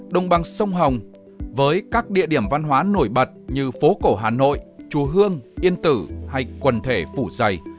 đồng bằng sông hồng với các địa điểm văn hóa nổi bật như phố cổ hà nội chùa hương yên tử hay quần thể phủ dày